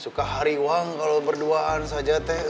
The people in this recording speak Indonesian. suka hari uang kalau berduaan saja teh